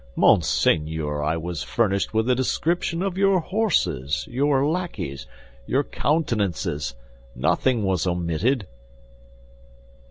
Monseigneur, I was furnished with a description of your horses, your lackeys, your countenances—nothing was omitted."